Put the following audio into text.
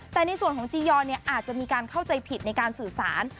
แต่ในส่วนของจียอนอาจจะมีการเข้าใจผิดในการสื่อสาร